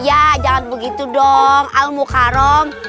ya jangan begitu dong al mukarram